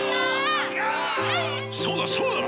そうだそうだ！